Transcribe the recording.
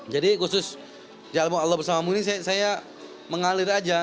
jadi khusus allah bersamamu ini saya mengalir aja